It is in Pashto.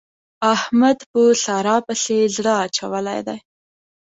احمد په سارا پسې زړه اچولی دی.